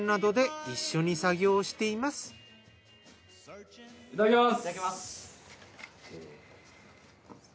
いただきます！